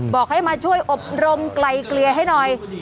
บอกให้มาช่วยอบรมไกลเกลี่ยให้หน่อย